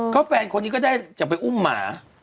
ก็แฟนคนนี้ก็จะเอาอุ้มหมา